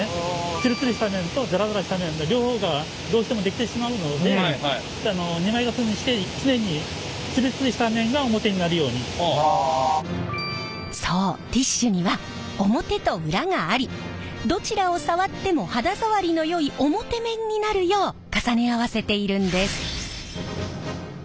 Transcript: ツルツルした面とザラザラした面の両方がどうしても出来てしまうのでそうティッシュには表と裏がありどちらを触っても肌触りのよい表面になるよう重ね合わせているんです。